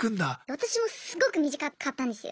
私もすごく短かったんですよ。